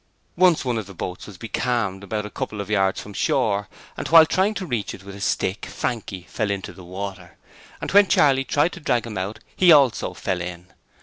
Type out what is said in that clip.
Once one of the boats was becalmed about a couple of yards from shore and while trying to reach it with a stick Frankie fell into the water, and when Charley tried to drag him out he fell in also.